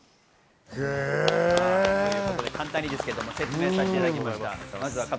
簡単にですけど説明させていただきました。